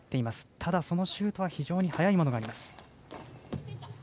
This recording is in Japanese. ただ、そのシュートは非常に速いものがあります。